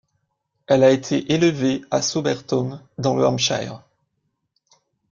Elle a été élevée à Soberton dans le Hampshire.